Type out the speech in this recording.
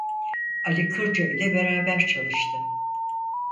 Ali Kırca ile beraber çalıştı.